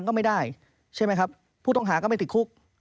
ตังก็ไม่ได้ใช่มั้ยครับผู้ต้องหาง้าไม่ติดคุก